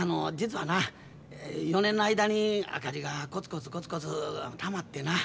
はな４年の間に赤字がコツコツコツコツたまってな。